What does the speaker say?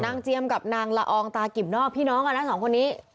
เจียมกับนางละอองตากิ่มนอกพี่น้องกันนะสองคนนี้